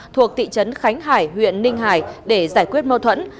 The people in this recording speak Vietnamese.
thuộc thị trấn khánh hải huyện ninh hải để giải quyết mâu thuẫn